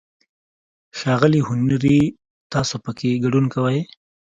ښاغلی هنري، تاسو پکې ګډون کوئ؟